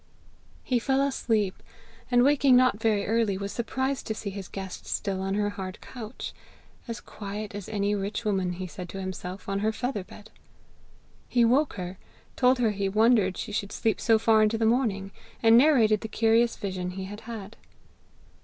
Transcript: "He fell asleep, and waking not very early, was surprised to see his guest still on her hard couch as quiet as any rich woman, he said to himself, on her feather bed. He woke her, told her he wondered she should sleep so far into the morning, and narrated the curious vision he had had.